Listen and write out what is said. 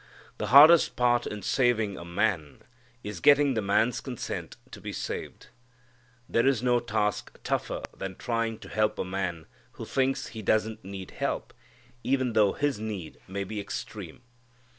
The hardest part in saving a man is getting the man's consent to be saved. There is no task tougher than trying to help a man who thinks he doesn't need help, even though his need may be extreme.